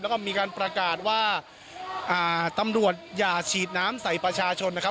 แล้วก็มีการประกาศว่าตำรวจอย่าฉีดน้ำใส่ประชาชนนะครับ